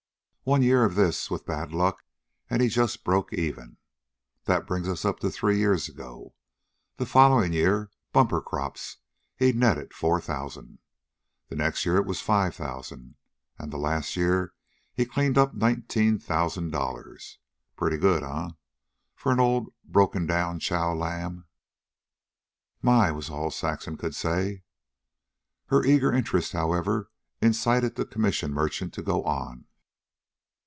One year of this, with bad luck, and he just broke even. That brings it up to three years ago. The following year, bumper crops, he netted four thousand. The next year it was five thousand. And last year he cleaned up nineteen thousand dollars. Pretty good, eh, for old broken down Chow Lam?" "My!" was all Saxon could say. Her eager interest, however, incited the commission merchant to go on.